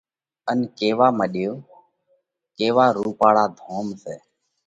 ان ڪيوا مڏيو: ڪيوا رُوپاۯا ڌوم سئہ۔